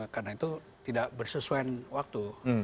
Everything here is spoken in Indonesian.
karena itu tidak bersesuai waktu